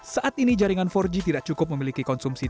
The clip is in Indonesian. saat ini jaringan empat g tidak cukup memiliki konsumsi